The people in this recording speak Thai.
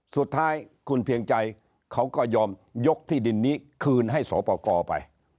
สุดท้ายคุณเพียงใจเขาก็ยอมยกที่ดินนี้คืนให้สอปกรไป